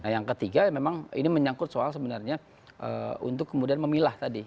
yang ketiga memang ini menyangkut soal sebenarnya untuk kemudian memilah tadi